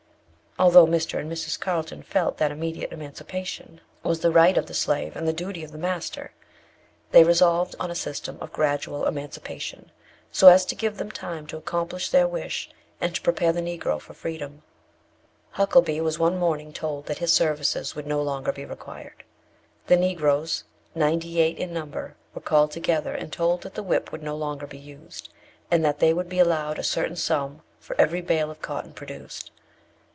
Although Mr. and Mrs. Carlton felt that immediate emancipation was the right of the slave and the duty of the master, they resolved on a system of gradual emancipation, so as to give them time to accomplish their wish, and to prepare the Negro for freedom. Huckelby was one morning told that his services would no longer be required. The Negroes, ninety eight in number, were called together and told that the whip would no longer be used, and that they would be allowed a certain sum for every bale of cotton produced.